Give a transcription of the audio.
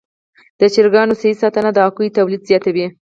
د چرګانو صحي ساتنه د هګیو تولید زیاتوي.